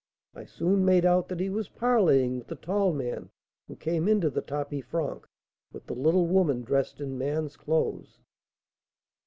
I soon made out that he was parleying with the tall man who came into the tapis franc with the little woman dressed in man's clothes."